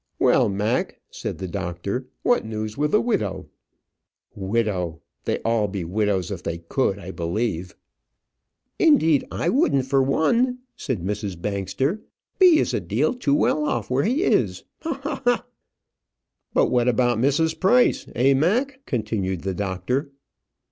"Well, Mac," said the doctor, "what news with the widow?" "Widow! they'd all be widows if they could, I believe." "Indeed, I wouldn't, for one," said Mrs. Bangster. "B. is a deal too well off where he is. Ha! ha! ha!" "But what about Mrs. Price eh, Mac?" continued the doctor.